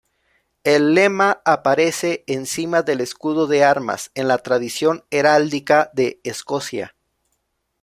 El lema aparece encima del escudo de armas, en la tradición heráldica de Escocia.